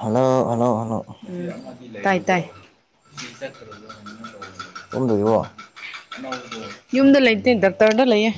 Hello hello hello ꯎꯝ ꯇꯥꯏ ꯇꯥꯏ ꯇꯨꯝꯗꯣꯔꯤꯕꯣ ꯌꯨꯝꯗ ꯂꯩꯇꯦ ꯗꯥꯛꯇꯔꯗ ꯂꯩꯌꯦ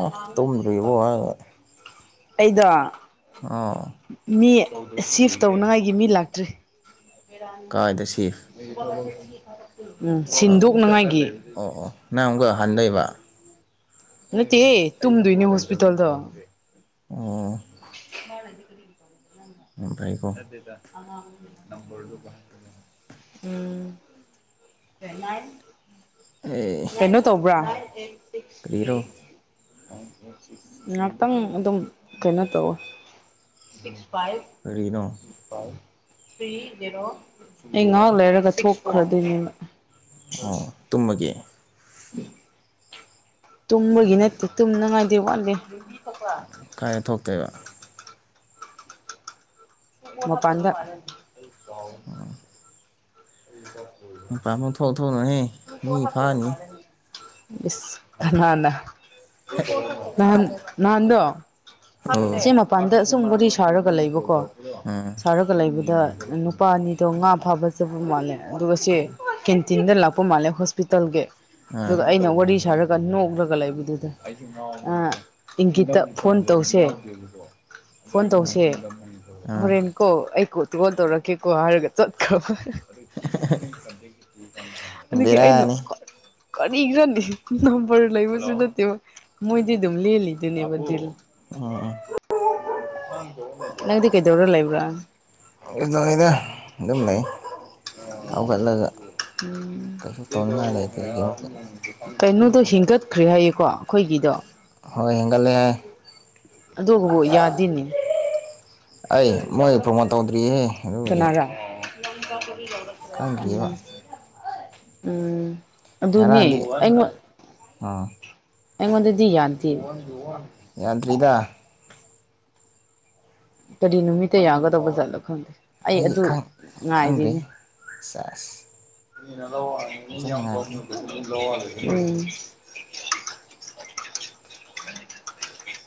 ꯑ ꯇꯨꯝꯗ꯭ꯔꯤꯕꯣ ꯍꯥꯏꯒ ꯑꯩꯗꯣ ꯑꯧ ꯃꯤ ꯁꯤꯐ ꯇꯧꯅꯉꯥꯏꯒꯤ ꯃꯤ ꯂꯥꯛꯇ꯭ꯔꯤ ꯀꯥꯏꯗ ꯁꯤꯐ ꯎꯝ ꯑꯣ ꯁꯤꯟꯗꯣꯛꯅꯉꯥꯏꯒꯤ ꯑꯣ ꯑꯣ ꯅꯪ ꯑꯃꯨꯛꯀ ꯍꯟꯗꯣꯏꯕ ꯅꯠꯇꯦꯌꯦ ꯇꯨꯝꯗꯣꯏꯅꯤ ꯍꯣꯁꯄꯤꯇꯜꯗ ꯑꯣ [unintelligible] [unintelligible] [unintelligible] ꯎꯝ ꯑꯦ [unintelligible] ꯀꯩꯅꯣ ꯇꯧꯕ꯭ꯔꯥ ꯀꯔꯤꯔꯣ ꯉꯍꯥꯛꯇꯪ ꯑꯗꯨꯝ ꯀꯩꯅꯣ ꯇꯧ ꯀꯔꯤꯅꯣ ꯑꯩ ꯉꯥꯛ ꯂꯩꯔꯒ ꯊꯣꯛꯈꯔꯗꯣꯏꯅꯦꯕ ꯑꯣ ꯇꯨꯝꯃꯒꯤ [unintelligible] ꯇꯨꯝꯕꯒꯤ ꯅꯠꯇꯦ ꯇꯨꯝꯅꯉꯥꯏꯗꯤ ꯋꯥꯠꯂꯤ ꯀꯥꯏꯅ ꯊꯣꯛꯇꯣꯏꯕ ꯃꯄꯥꯟꯗ ꯑꯣ [unintelligible] ꯃꯄꯥꯟ ꯄꯪꯊꯣꯛ ꯊꯣꯛꯅꯣꯍꯦ ꯏꯁ ꯀꯅꯥꯅꯥ ꯅꯍꯥꯟ ꯅꯍꯥꯟꯗꯣ ꯁꯤꯃ ꯎꯝ ꯃꯄꯥꯟꯗ ꯑꯁꯨꯝ ꯋꯥꯔꯤ ꯁꯥꯔꯒ ꯂꯩꯕꯀꯣ ꯎꯝ ꯁꯥꯔꯒ ꯂꯩꯕꯗ ꯅꯨꯄꯥ ꯑꯅꯤꯗꯣ ꯉꯥ ꯐꯥꯕ ꯆꯠꯄ ꯃꯥꯜꯂꯦ ꯑꯗꯨꯒ ꯁꯦ ꯀꯦꯟꯇꯤꯟꯗ ꯂꯥꯛꯄ ꯄꯥ ꯃꯥꯜꯂꯦ ꯍꯣꯁꯄꯤꯇꯥꯜꯒꯤ ꯑꯥ ꯑꯗꯨꯒ ꯑꯩꯅ ꯋꯥꯔꯤ ꯁꯥꯔꯛ ꯅꯣꯛꯂꯒ ꯂꯩꯕꯗꯨꯗ ꯏꯪꯒꯤꯠꯇ ꯐꯣꯟ ꯇꯧꯁꯦ ꯐꯣꯟ ꯇꯧꯁꯦ ꯑꯥ ꯍꯣꯔꯦꯟ ꯀꯣ ꯑꯩ ꯀꯣꯜ ꯇꯧꯔꯛꯀꯦꯀꯣ ꯍꯥꯏꯔꯒ ꯆꯠꯈ꯭ꯔꯕ ꯑꯗꯨꯗꯒꯤ ꯑꯩꯅ ꯕꯦꯔꯥꯅꯤ ꯀꯔꯤꯅꯣꯅꯦ ꯅꯝꯕꯔ ꯂꯩꯕꯁꯨ ꯅꯠꯇꯦꯕ ꯃꯣꯏꯗꯤ ꯑꯗꯨꯝ ꯂꯦꯜꯂꯤꯗꯨꯅꯦꯕ ꯗꯤꯜ ꯑꯥ ꯑꯥ ꯅꯪꯗꯤ ꯀꯩꯗꯧꯔ ꯂꯩꯕ꯭ꯔꯥ ꯂꯣꯏꯔꯦ ꯗꯨꯝ ꯂꯩ ꯍꯧꯒꯠꯂꯒ ꯀꯩꯁꯨ ꯇꯧꯅꯤꯡꯉꯥꯏ ꯂꯩꯇꯕꯒꯤ ꯑꯃꯨꯛꯀ [unintelligible] [inaudible] ꯀꯩꯅꯣꯗꯣ ꯍꯦꯟꯒꯠꯈ꯭ꯔꯦ ꯍꯥꯏꯌꯦꯀꯣ ꯑꯩꯈꯣꯏꯒꯤꯗꯣ ꯍꯣꯏ ꯍꯦꯟꯒꯠꯂꯦ ꯍꯥꯏ ꯑꯗꯨꯕꯨ ꯌꯥꯗꯦꯅꯦ ꯑꯩ ꯃꯣꯏ ꯄ꯭ꯔꯣꯃꯣꯠ ꯇꯧꯗ꯭ꯔꯤꯍꯦ ꯑꯗꯨꯕꯨꯗꯤ ꯀꯅꯥꯔꯥ ꯈꯪꯗ꯭ꯔꯤꯑꯕ ꯎꯝ ꯎꯝ ꯉꯔꯥꯡꯗꯤ ꯑꯥ ꯑꯩꯉꯣꯟꯗꯗꯤ ꯌꯥꯝꯗꯦ ꯌꯥꯗ꯭ꯔꯤꯗ ꯀꯔꯤ ꯅꯨꯃꯤꯠꯇ ꯌꯥꯒꯗꯕꯖꯥꯠꯅꯣ ꯈꯪꯗꯦ ꯑꯩ ꯑꯗꯨ ꯈꯪꯗ꯭ꯔꯤ ꯉꯥꯏꯔꯤꯅꯦ ꯆꯁ ꯐꯖꯅ ꯉꯥꯏꯕꯤꯌꯨ ꯎꯝ [inaudible]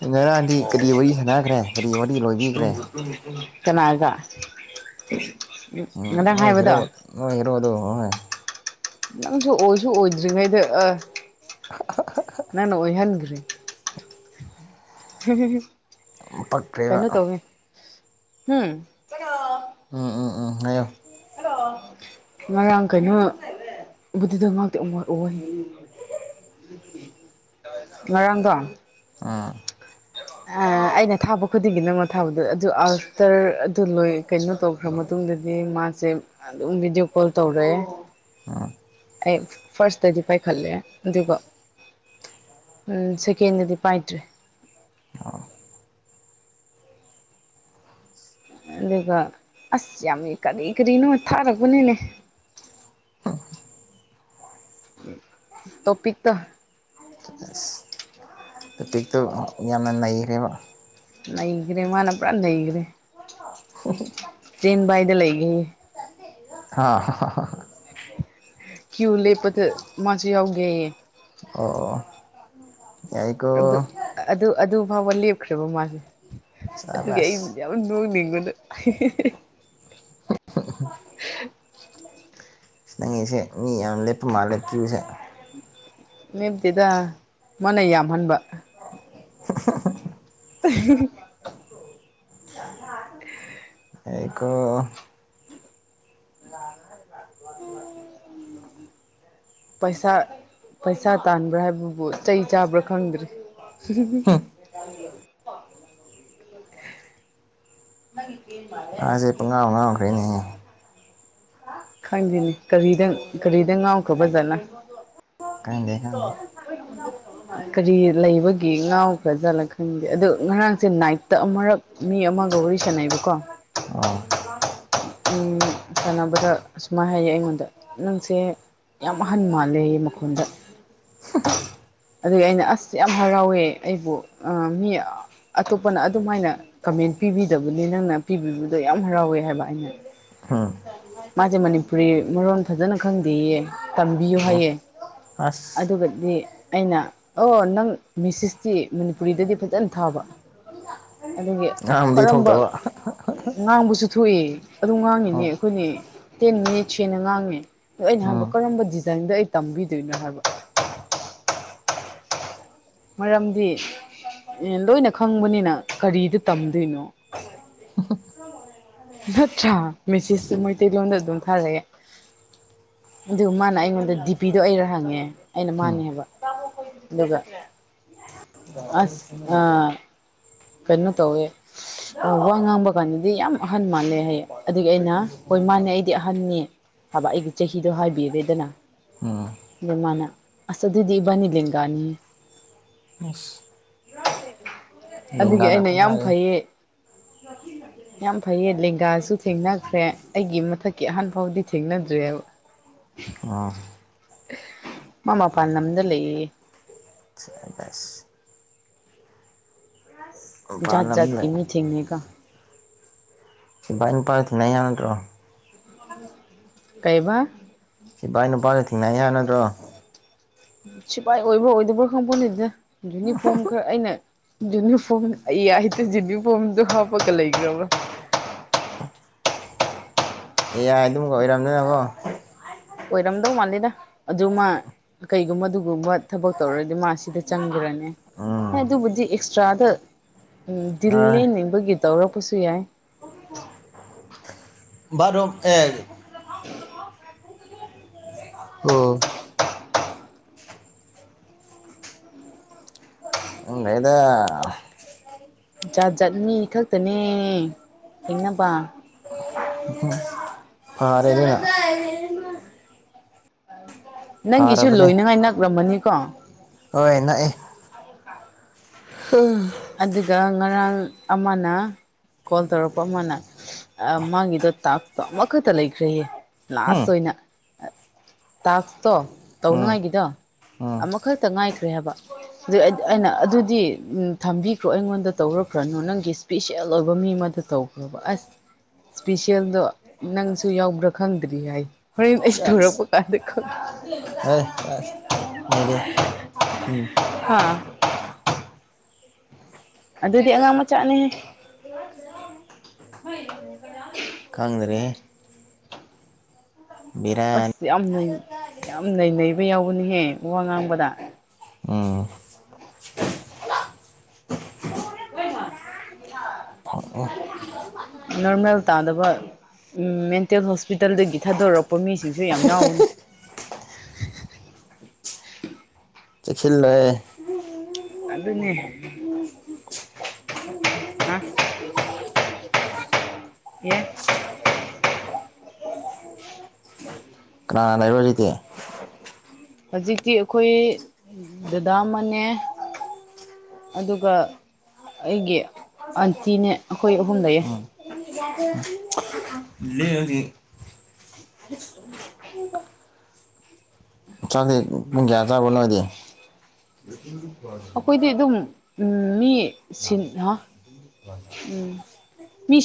ꯉꯔꯥꯡꯗꯤ ꯀꯔꯤ ꯋꯥꯔꯤ ꯁꯥꯟꯅꯈ꯭ꯔꯦ ꯀꯔꯤ ꯋꯥꯔꯤ ꯂꯣꯏꯕꯤꯈ꯭ꯔꯦ ꯀꯅꯥꯒ ꯎꯝ ꯉꯔꯥꯡ ꯅꯣꯏ ꯍꯥꯏꯕꯗꯣ ꯍꯦꯔꯣ ꯅꯣꯏ ꯍꯦꯔꯣꯗꯣ ꯍꯣꯏ ꯅꯪꯁꯨ ꯑꯣꯏꯁꯨ ꯑꯣꯏꯗ꯭ꯔꯤꯉꯩꯗ ꯑꯥ [unintelligible] ꯅꯪꯅ ꯑꯣꯏꯍꯟꯈꯔꯦ ꯄꯛꯈ꯭ꯔꯦꯕ ꯀꯩꯅꯣ ꯇꯧꯋꯦ ꯍꯨꯝ ꯎꯝ ꯎꯝ ꯎꯝ ꯍꯥꯏꯌꯣ ꯍꯜꯂꯣ ꯉꯔꯥꯡ ꯀꯩꯅꯣꯕꯨꯗꯨꯗ ꯉꯥꯛꯇꯥ ꯑꯣꯝꯋꯥꯠ ꯑꯣ ꯍꯥꯏ ꯉꯔꯥꯡꯗꯣ ꯑꯥ ꯑ ꯑꯩꯅ ꯊꯥꯕ ꯈꯨꯗꯤꯡꯒꯤ ꯅꯪꯉꯣꯟ ꯊꯥꯕꯗꯣ ꯑꯗꯨ ꯑꯞꯇꯔ ꯑꯗꯨ ꯂꯣꯏ ꯀꯩꯅꯣ ꯇꯧ ꯈ꯭ꯔꯥ ꯃꯇꯨꯡꯗꯗꯤ ꯃꯥꯁꯦ ꯑꯗꯨꯝ ꯚꯤꯗꯤꯑꯣ ꯀꯣꯜ ꯇꯧꯔꯛꯑꯦ ꯑ ꯑꯩ ꯐꯥꯔꯁꯇꯗꯤ ꯄꯥꯏꯈꯠꯂꯦ ꯑꯗꯨꯒ ꯑ ꯁꯦꯀꯦꯟꯗꯗꯤ ꯄꯥꯏꯗ꯭ꯔꯦ ꯑ ꯑꯗꯨꯒ ꯑꯁ ꯌꯥꯝꯃꯤ ꯀꯔꯤ ꯀꯔꯤꯅꯣ ꯊꯥꯔꯛꯄꯅꯤꯅꯦ ꯇꯣꯄꯤꯛ ꯇꯣ ꯑꯁ ꯇꯣꯄꯤꯛꯇꯣ ꯌꯥꯝꯅ ꯅꯩꯈ꯭ꯔꯦꯕ ꯅꯩꯈ꯭ꯔꯦ ꯃꯥꯅ ꯄꯨꯔꯥ ꯅꯩꯈ꯭ꯔꯦ [unintelligible] ꯆꯦꯟꯕꯥꯏꯗ ꯂꯩꯒꯦ ꯍꯥꯏꯌꯦ ꯍꯥ ꯀꯤꯌꯨꯏ ꯂꯦꯄꯗ ꯃꯥꯁꯨ ꯌꯥꯎꯒꯦꯑꯦ ꯑꯣ ꯑꯣ ꯌꯥꯏꯀꯣ ꯑꯗꯨ ꯑꯗꯨ ꯑꯗꯨ ꯐꯥꯎꯕ ꯂꯦꯞꯈ꯭ꯔꯦꯕ ꯃꯥꯁꯦ ꯑꯗꯨꯒꯤ ꯑꯩ ꯁꯕꯥꯁ ꯌꯥꯝ ꯅꯣꯡꯅꯤꯡꯕꯅ [unintelligible] ꯅꯪꯒꯤꯁꯦ ꯃꯤ ꯌꯥꯝ ꯂꯦꯞꯄ ꯃꯥꯜꯂꯦ ꯀꯤꯌꯨꯏ ꯁꯦ ꯂꯦꯞꯇꯦꯗ ꯃꯥꯅ ꯌꯥꯝꯍꯟꯕ [inaudible] [inaudible] ꯑꯩꯀꯣ ꯄꯩꯁꯥ ꯄꯩꯁꯥ ꯇꯥꯟꯕ꯭ꯔꯥ ꯍꯥꯏꯕꯕꯨ ꯆꯩ ꯆꯥꯕ꯭ꯔꯥ ꯈꯪꯗ꯭ꯔꯤ [inaudible] ꯑꯥꯖꯦ ꯄꯨꯡꯉꯥꯎ ꯉꯥꯎꯈ꯭ꯔꯦꯅꯦ ꯈꯪꯗꯦꯅꯦ ꯀꯔꯤꯗ ꯀꯔꯤꯗ ꯉꯥꯎꯈ꯭ꯔꯕꯖꯥꯂ ꯈꯪꯗꯦ ꯈꯪꯗꯦ [unintelligible] ꯀꯔꯤ ꯂꯩꯕꯒꯤ ꯉꯥꯎꯈ꯭ꯔꯖꯠꯂ ꯈꯪꯗꯦ ꯑꯗꯣ ꯉꯔꯥꯡꯁꯦ ꯅꯥꯏꯠꯇ ꯑꯃꯔꯛ ꯃꯤ ꯑꯃꯒ ꯋꯥꯔꯤ ꯁꯥꯟꯅꯩꯕꯀꯣ ꯑꯥ ꯎꯝ ꯁꯥꯟꯅꯕꯗ ꯁꯨꯃꯥꯏ ꯍꯥꯏꯌꯦ ꯑꯩꯉꯣꯟꯗ ꯅꯪꯁꯦ ꯌꯥꯝ ꯑꯍꯟ ꯃꯥꯜꯂꯦꯌꯦ ꯃꯈꯣꯟꯗ [inaudible] ꯑꯗꯨꯏ ꯑꯩꯅ ꯑꯁ ꯌꯥꯝ ꯍꯔꯥꯎꯌꯦ ꯑꯩꯕꯨ ꯑ ꯃꯤ ꯑꯇꯣꯞꯄꯅ ꯑꯗꯨꯃꯥꯏꯅ ꯀꯃꯦꯟ ꯄꯤꯕꯤꯗꯕꯅꯤ ꯅꯪꯅ ꯄꯤꯕꯤꯕꯗꯣ ꯌꯥꯝ ꯍꯔꯥꯎꯌꯦ ꯍꯥꯏꯕ ꯑꯩꯅ ꯎꯝ ꯃꯥꯁꯦ ꯃꯅꯤꯄꯨꯔꯤ ꯃꯔꯣꯟ ꯐꯖꯅ ꯈꯪꯗꯦꯌꯦ ꯇꯝꯕꯤꯌꯨ ꯑꯣ ꯍꯥꯏꯌꯦ ꯑꯁ ꯑꯗꯨꯒꯗꯤ ꯑꯩꯅ ꯑꯣ ꯅꯪ ꯃꯤꯁꯤꯁꯇꯤ ꯃꯅꯤꯄꯨꯔꯤꯗꯗꯤ ꯐꯖꯅ ꯊꯥꯕ ꯑꯗꯨꯒꯤ ꯉꯥꯡꯕꯗꯤ ꯀꯔꯝꯕ ꯊꯣꯛꯇꯕ ꯉꯥꯡꯕꯁꯨ ꯊꯣꯛꯏ ꯑꯗꯨ ꯉꯥꯡꯉꯤꯅꯤ ꯑꯣ ꯑꯈꯣꯏꯅꯦ ꯇꯦꯟ ꯃꯌꯦꯛ ꯁꯦꯡꯅ ꯉꯥꯡꯉꯦ ꯑꯗꯣ ꯑꯩꯅ ꯍꯥꯏꯕ ꯎꯝ ꯀꯔꯝꯕ ꯗꯤꯖꯥꯏꯟꯗ ꯑꯩ ꯇꯝꯕꯤꯗꯣꯏꯅꯣ ꯍꯥꯏꯕ ꯃꯔꯝꯗꯤ ꯂꯣꯏꯅ ꯈꯪꯕꯅꯤꯅ ꯀꯔꯤꯗ ꯇꯝꯗꯣꯏꯅꯣ ꯅꯠꯇ꯭ꯔꯥ ꯃꯦꯁꯦꯁꯁꯨ ꯃꯩꯇꯩ ꯂꯣꯟꯗ ꯑꯗꯨꯝ ꯊꯥꯔꯛꯑꯦ ꯑꯗꯨ ꯃꯥꯅ ꯑꯩꯉꯣꯟꯗ ꯗꯤ ꯄꯤꯗꯣ ꯑꯩꯔ ꯍꯪꯉꯦ ꯑꯩꯅ ꯎꯝ ꯃꯥꯥꯟꯅꯤ ꯍꯥꯏꯕ ꯑꯗꯨꯒ ꯑꯁ ꯑ ꯀꯩꯅꯣ ꯇꯧꯋꯦ ꯋꯥ ꯉꯥꯡꯕ ꯀꯥꯟꯗꯗꯤ ꯌꯥꯝ ꯑꯍꯟ ꯃꯥꯜꯂꯦ ꯍꯌꯦ ꯑꯗꯨꯒꯤ ꯑꯩꯅ ꯍꯣꯏ ꯃꯥꯅꯦ ꯑꯩꯗꯤ ꯑꯍꯟꯅꯤ ꯍꯥꯏꯕ ꯑꯩꯒꯤ ꯆꯍꯤꯗꯣ ꯍꯥꯏꯕꯤꯔꯦꯗꯅ ꯎꯝ ꯌꯦ ꯃꯥꯅ ꯑꯁ ꯑꯗꯨꯗꯤ ꯏꯕꯅꯤ ꯂꯦꯡꯒꯥꯅꯤ ꯑꯁ ꯂꯦꯡꯒꯥ ꯑꯗꯨꯒꯤ ꯑꯩꯅ ꯉꯥꯛꯇ ꯌꯥꯝ ꯉꯥꯏꯔꯦ ꯐꯩꯌꯦ [unintelligible] ꯌꯥꯝ ꯐꯩꯌꯦ ꯂꯦꯡꯒꯥꯁꯨ ꯊꯦꯡꯅꯈ꯭ꯔꯦ ꯑꯩꯒꯤ ꯃꯊꯛꯀꯤ ꯑꯍꯟ ꯐꯥꯎꯗꯤ ꯊꯦꯡꯅꯗ꯭ꯔꯦꯑꯕ [inaudible] ꯃꯥ ꯃꯄꯥꯟ ꯂꯝꯗ ꯂꯩꯌꯦ ꯁꯕꯥꯖ ꯃꯄꯥꯟ ꯖꯥꯠ ꯖꯥꯠꯀꯤ ꯂꯝꯗ ꯂꯩ ꯃꯤ ꯊꯦꯡꯅꯩꯒꯣ ꯁꯤꯕꯥꯥꯏ ꯅꯨꯄꯥ ꯇꯤꯟꯅ ꯌꯥꯗ꯭ꯔꯣ [inaudible] ꯀꯩꯕ ꯁꯤꯐꯥꯏ ꯅꯨꯄꯥꯗꯨ ꯊꯦꯡꯅ ꯌꯥꯅꯗ꯭ꯔꯣ ꯁꯤꯐꯥꯏ ꯑꯣꯏꯕ꯭ꯔꯥ ꯑꯣꯏꯗꯕ꯭ꯔꯥ ꯈꯪꯐꯣꯠꯇꯦꯗ ꯌꯨꯅꯤꯐꯣꯔꯝ ꯈꯔ ꯑꯩꯅ ꯌꯨꯅꯤꯐꯣꯔꯝ ꯑꯩ ꯌꯥꯏꯗ ꯌꯨꯅꯤꯐꯣꯔꯝꯗꯣ ꯍꯥꯞꯄꯒ ꯂꯩꯈ꯭ꯔꯕ꯭ꯔꯥ ꯑꯦ ꯑꯥꯏ ꯗꯨꯝ ꯑꯣꯏꯔꯝꯗꯅ ꯀꯣ ꯑꯣꯏꯔꯝꯗꯧ ꯃꯥꯜꯂꯤꯗ ꯑꯗꯨ ꯃꯥ ꯀꯩꯒꯨꯝꯕ ꯑꯗꯨꯒꯨꯝꯕ ꯊꯕꯛ ꯇꯧꯔꯗꯤ ꯃꯥ ꯁꯤꯗ ꯆꯪꯒꯦꯔꯅꯦ ꯍꯣꯢ ꯎꯝ ꯑꯗꯨꯕꯨꯗꯤ ꯑꯦꯛꯁꯇ꯭ꯔꯥꯗ ꯍꯣꯏ ꯗꯤꯟꯂꯦꯟꯅꯤꯡꯕꯒꯤ ꯇꯧꯔꯛꯄꯁꯨ ꯌꯥꯏ ꯕꯥꯊꯔꯨꯝ ꯑꯦ [unintelligible] ꯎꯝ ꯎꯝ ꯅꯩꯗ ꯖꯥꯠ ꯖꯥꯠ ꯃꯤ ꯈꯛꯇꯅꯦ ꯊꯦꯡꯅꯕ ꯎꯝ [unintelligible] ꯐꯥꯔꯦꯅꯦ ꯅꯪꯒꯤꯁꯨ ꯐꯔꯕꯅꯦ ꯂꯣꯏꯅꯉꯥꯏ ꯅꯛꯂꯝꯃꯅꯤꯀꯣ ꯍꯣꯏ ꯅꯛꯑꯦ [inaudible] ꯑꯗꯨꯒ ꯉꯔꯥꯡ ꯑꯃꯅ ꯀꯣꯜ ꯇꯧꯔꯛꯄ ꯑꯃꯅ ꯃꯥꯒꯤꯗꯣ ꯇꯥꯛꯁꯇꯣ ꯑꯃꯈꯛꯇ ꯂꯩꯈ꯭ꯔꯦꯌꯦ ꯎꯝ ꯂꯥꯁ ꯑꯣꯏꯅ [unintelligible] ꯇꯥꯛꯁꯇꯣ ꯎꯝ ꯇꯧꯅꯉꯥꯏꯒꯤꯗꯣ ꯎꯝ ꯑꯃꯈꯛꯇ ꯉꯥꯏꯈ꯭ꯔꯦ ꯍꯥꯏꯕ [unintelligible] ꯑꯩꯅ ꯑꯗꯨꯗꯤ ꯎꯝ ꯊꯝꯕꯤꯈ꯭ꯔꯣ ꯑꯩꯉꯣꯟꯗ ꯇꯧꯔꯛꯈ꯭ꯔꯅꯣ ꯅꯪꯒꯤ ꯏꯁꯄꯤꯁꯦꯜ ꯑꯣꯏꯕ ꯃꯤ ꯑꯃꯗ ꯇꯧꯈ꯭ꯔꯣꯕ ꯑꯁ ꯏꯁꯄꯤꯁꯦꯜꯗꯣ ꯅꯪꯁꯨ ꯌꯥꯎꯕ꯭ꯔꯥ ꯈꯪꯗ꯭ꯔꯤ ꯍꯥꯏ ꯍꯣꯔꯦꯟ ꯑꯩꯁꯨ ꯁꯦꯁ ꯇꯧꯔꯛꯄ [unintelligible] ꯈꯪ ꯑꯦ [unintelligible] ꯅꯩꯗꯦ [inaudible] ꯍꯥꯥ ꯑꯗꯨꯗꯤ ꯑꯉꯥꯡ ꯃꯆꯥꯅꯤ ꯈꯪꯗ꯭ꯔꯦꯍꯦ ꯕꯦꯔꯥꯅꯤ ꯑꯁ ꯌꯥꯝ ꯌꯥꯝ ꯅꯩ ꯅꯩꯕ ꯌꯥꯎꯕꯅꯤꯍꯦ ꯋꯥ ꯉꯥꯡꯕꯗ ꯎꯝ [inaudible] [unintelligible] ꯅꯣꯔꯃꯦꯜ ꯇꯥꯗꯕ ꯎꯝ ꯃꯦꯟꯇꯦꯜ ꯍꯣꯁꯄꯤꯇꯥꯜꯗꯒꯤ ꯊꯥꯗꯣꯔꯛꯄ ꯃꯤꯁꯤꯡꯁꯨ ꯌꯥꯝ ꯌꯥꯎꯕꯅꯤ ꯆꯦꯛꯁꯤꯜꯂꯨꯍꯦ ꯑꯗꯨꯅꯦ ꯍꯥ [inaudible] ꯑꯦ ꯀꯅꯥꯒ ꯂꯩꯕ꯭ꯔꯣ ꯍꯧꯖꯤꯛꯇꯤ ꯍꯧꯖꯤꯛꯇꯤ ꯑꯩꯈꯣꯏ ꯗꯗꯥ ꯑꯃꯅꯦ ꯑꯗꯨꯒ ꯑꯩꯒꯤ ꯑꯟꯇꯤꯅꯦ ꯑꯩꯈꯣꯏ ꯑꯍꯨꯝ ꯂꯩꯌꯦ [inaudible] [inaudible] ꯍ [inaudible] ꯆꯥꯛꯇꯤ ꯄꯨꯡ ꯀꯌꯥ ꯆꯥꯕ꯭ꯔꯣ ꯅꯣꯏꯗꯤ ꯑꯩꯈꯣꯏꯗꯤ ꯑꯗꯨꯝ ꯎꯝ ꯃꯤ ꯁꯤꯟ ꯍꯥ ꯎꯝ ꯃꯤ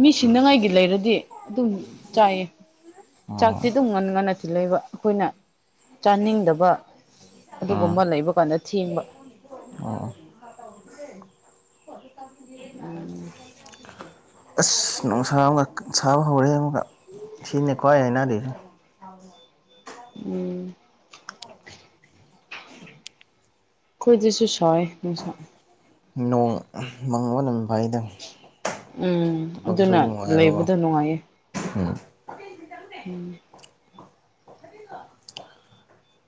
ꯃꯤ ꯁꯤꯅꯉꯥꯏꯒꯤ ꯂꯩꯔꯗꯤ ꯑꯗꯨꯝ ꯆꯥꯏꯌꯦ ꯑꯣ ꯆꯥꯛꯇꯤ ꯑꯗꯨꯝ ꯉꯟꯅ ꯉꯟꯅꯗꯤ ꯂꯩꯕ ꯑꯩꯈꯣꯏꯅ ꯆꯥꯅꯤꯡꯗꯕ ꯎꯝ ꯑꯗꯨꯒꯨꯝꯕ ꯂꯩꯕ ꯀꯥꯟꯗ ꯊꯦꯡꯕ ꯑꯣ ꯑꯣ ꯎꯝ ꯑꯁ ꯅꯨꯡꯁꯥ ꯑꯃꯨꯛꯒ ꯒꯥꯟ ꯁꯥꯕ ꯍꯧꯔꯦ ꯑꯃꯨꯛꯒ ꯁꯤꯅꯦ ꯀ꯭ꯋꯥꯏ ꯍꯥꯏꯅꯗ꯭ꯔꯤꯁꯦ ꯎꯝ ꯑꯩꯈꯣꯏꯗꯨꯁꯨ ꯁꯥꯢꯌꯦ ꯅꯨꯡꯁꯥ ꯃꯪꯕꯅ ꯐꯩꯗ ꯎꯝ ꯊꯕꯛ ꯑꯗꯨꯅ ꯁꯨꯕ ꯅꯨꯡꯉꯥꯏꯕꯀꯣ ꯂꯩꯕꯗꯣ ꯅꯨꯡꯉꯥꯏꯌꯦ ꯎꯝ ꯎꯝ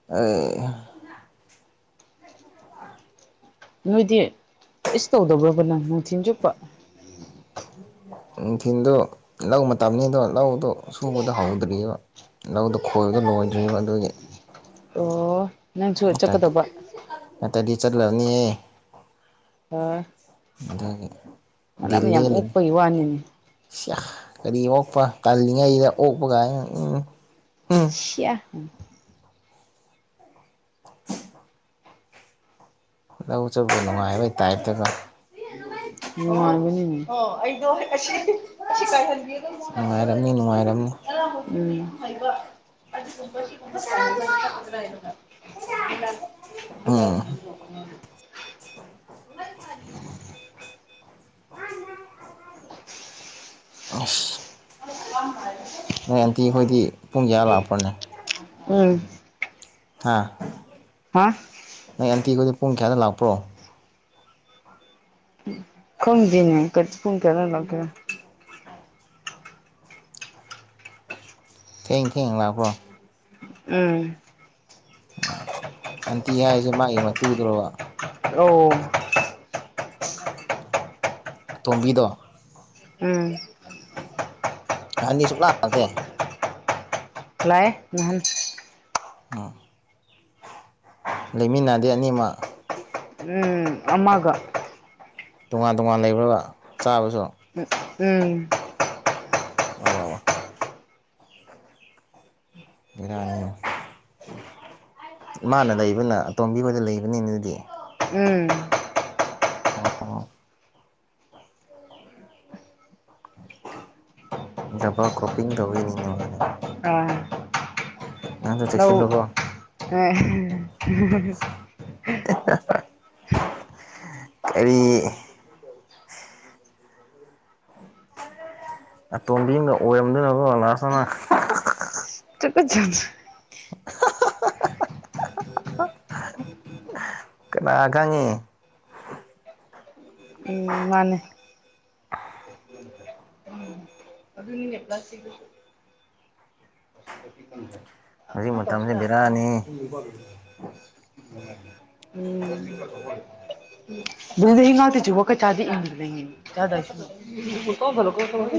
ꯑꯦ ꯅꯣꯏꯗꯤ ꯀꯩꯁꯨ ꯇꯧꯗꯕ꯭ꯔꯕꯥ ꯅꯨꯡꯊꯤꯟ ꯆꯨꯞꯄ ꯎ [inaudible] ꯅꯨꯡꯊꯤꯟꯗꯣ ꯂꯧ ꯃꯇꯝꯅꯤꯗꯣ ꯂꯧꯗꯣ ꯁꯨꯕꯗꯣ ꯍꯧꯗ꯭ꯔꯤꯑꯦꯕ ꯂꯧꯗꯣ ꯈꯣꯏꯕꯗꯣ ꯂꯣꯢꯗ꯭ꯔꯤꯑꯦꯕ ꯑꯗꯨꯒꯤ ꯑꯣ ꯅꯪꯁꯨ ꯆꯠꯀꯗꯧꯕ [unintelligible] ꯅꯠꯇꯥ꯭ꯔꯗꯤ ꯆꯠꯂꯅꯤꯌꯦ ꯍꯣꯢ ꯑꯗꯨꯒꯤ ꯗꯤꯜꯂꯦꯜꯂꯤꯅꯦ ꯑꯣꯛꯄꯒꯤ ꯋꯥꯅꯤꯅꯦ ꯁꯤꯌꯥ ꯀꯔꯤ ꯑꯣꯛꯄ ꯇꯥꯜꯂꯤꯉꯩꯗ ꯑꯣꯛꯄꯒꯥꯏ ꯎꯝ ꯎꯝ ꯁꯤꯌꯥ ꯂꯧ ꯆꯠꯕ ꯅꯨꯡꯉꯥꯏꯕꯩ ꯇꯥꯏꯞꯇꯒꯣ ꯅꯨꯡꯉꯥꯢꯕꯅꯤꯅꯦ [unintelligible] [unintelligible] [unintelligible] ꯎꯝ ꯅꯨꯡꯉꯥꯏꯔꯝꯅꯤ ꯅꯨꯡꯉꯥꯏꯔꯝꯅꯤ ꯎꯝ [unintelligible] [unintelligible] [inaudible] ꯑꯁ [unintelligible] ꯅꯣꯏ ꯑꯟꯇꯤ ꯈꯣꯏꯗꯤ ꯄꯨꯡ ꯀꯌꯥ ꯂꯥꯛꯄ꯭ꯔꯅꯦ ꯎꯝ ꯍꯥ ꯍꯥꯥ ꯅ‌ꯣꯏ ꯑꯟꯇꯤꯈꯣꯏꯗꯤ ꯄꯨꯡ ꯀꯌꯥꯗ ꯂꯥꯛꯄ꯭ꯔꯣ ꯈꯪꯗ‌ꯦꯅ‌ꯦ ꯄꯨꯡ ꯀꯌꯥꯗ ꯂꯩꯛꯒꯦꯔ ꯊꯦꯡ ꯊꯦꯡꯅ ꯂꯥꯛꯄ꯭ꯔꯣ ꯎꯝ ꯑꯟꯇꯤ ꯍꯥꯏꯁꯦ ꯃꯥꯒꯤ ꯃꯇꯨꯗꯨꯔꯣꯕ ꯑꯣ ꯇꯣꯝꯕꯤꯗꯣ ꯎꯝ ꯅꯪꯗꯤ ꯁꯨꯛꯂꯥꯛ ꯇ‌ꯦ ꯂꯥꯛꯑ‌ꯦ ꯅꯍꯥꯟ ꯎꯝ ꯂꯩꯃꯤꯟꯅꯗꯦ ꯑꯅꯤꯃꯛ ꯎꯝ ꯑꯃꯒ ꯇꯣꯉꯥꯟ -ꯇꯣꯉꯥꯟ ꯂꯩꯕ꯭ꯔꯕ ꯆꯥꯕꯁꯨ ꯎꯝ-ꯎꯝ ꯋꯥ-ꯋꯥ ꯕꯦꯔꯥꯅꯤ ꯃꯥꯅ ꯂꯩꯕꯅ ꯑꯇꯣꯝꯕꯤꯈꯣꯏꯗ ꯂꯩꯕꯅꯤ ꯑꯗꯨꯗꯤ ꯎꯝ ꯑꯣ-ꯑꯣ ꯗꯕꯜ ꯀ꯭ꯔꯣꯞꯄꯤꯡ ꯇꯧꯌꯤꯅꯤ ꯃꯥꯗꯤ ꯑꯥ ꯅꯪꯗ‌ꯣ ꯆꯦꯛꯁꯤꯜꯂꯨꯀꯣ ꯍꯣꯏ [unintelligible] ꯀꯔꯤ ꯑꯇꯣꯝꯕꯤ ꯑꯃ ꯑꯣꯏꯔꯝꯗꯅꯀ ꯂꯥꯁꯇ ꯅꯪ꯫ ꯇꯨꯀꯠꯆꯗꯔ [unintelligible] ꯀꯅꯥ ꯈꯪꯉꯤ ꯎꯝ ꯃꯥꯅ‌ꯦ꯫ [inaudible] [inaudible] ꯍꯧꯖꯤꯛ ꯃꯇꯝꯁꯦ ꯕꯦꯔꯥꯅꯤ [unintelligible] [unintelligible] [unintelligible]